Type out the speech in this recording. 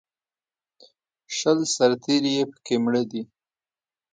شل سرتېري یې په کې مړه دي